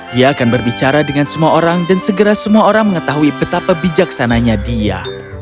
dia akan berbicara dengan semua orang dan segera semua orang mengetahui betapa bijaksananya dia